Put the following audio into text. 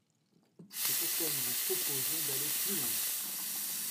C’est pourquoi nous vous proposons d’aller plus loin.